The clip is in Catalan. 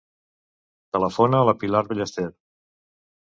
Telefona a la Pilar Ballester.